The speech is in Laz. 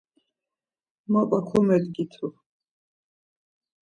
Mapa komedgitu.